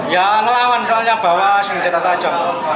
ya ngelawan soalnya bawa senjata tajam